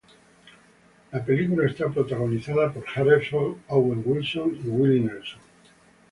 La película está protagonizada por Harrelson, Owen Wilson y Willie Nelson.